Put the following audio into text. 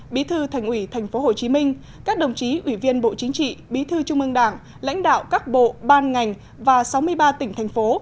bí thư thành ủy tp hcm các đồng chí ủy viên bộ chính trị bí thư trung ương đảng lãnh đạo các bộ ban ngành và sáu mươi ba tỉnh thành phố